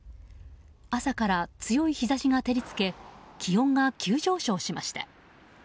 朝から強い日差しが照り付け気温が急上昇しました。